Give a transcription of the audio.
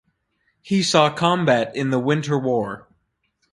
He saw combat in the Winter War.